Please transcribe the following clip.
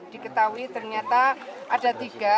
kita ketahui ternyata ada tiga